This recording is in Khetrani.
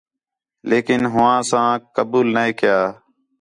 لیکن ہوآں اسانک قبول نَے کیا